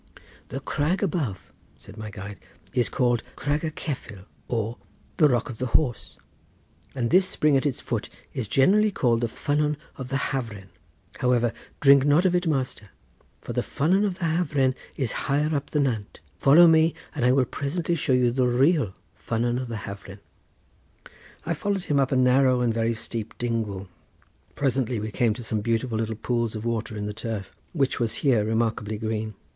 "The crag above," said my guide, "is called Crag y Cefyl, or the Rock of the Horse, and this spring at its foot is generally called the ffynnon of the Hafren. However, drink not of it, master; for the ffynnon of the Hafren is higher up the nant. Follow me, and I will presently show you the real ffynnon of the Hafren." I followed him up a narrow and very steep dingle. Presently we came to some beautiful little pools of water in the turf, which was here remarkably green.